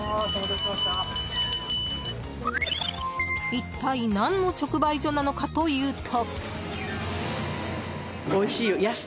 一体何の直売所なのかというと。